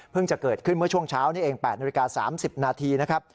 จะเกิดขึ้นเมื่อช่วงเช้านี้เอง๘นาฬิกา๓๐นาทีนะครับ